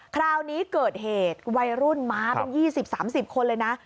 คราวนี้เกิดเหตุวัยรุ่นมาเป็น๒๐๓๐คนเลยนะ